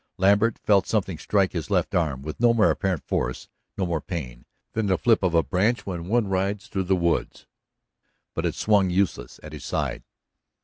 Lambert felt something strike his left arm, with no more apparent force, no more pain, than the flip of a branch when one rides through the woods. But it swung useless at his side.